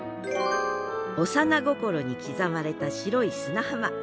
幼心に刻まれた白い砂浜。